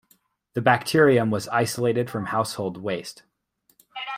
The bacterium was isolated from household waste.